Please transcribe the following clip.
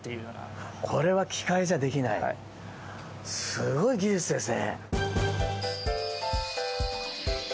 すごい技術ですね。